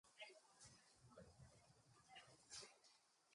Both versions were covered by the Allied reporting name "Topsy".